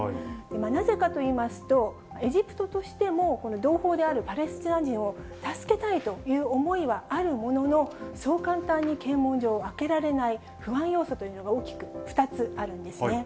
なぜかといいますと、エジプトとしても、同胞であるパレスチナ人を助けたいという思いはあるものの、そう簡単に検問所を開けられない、不安要素というのが、大きく２つあるんですね。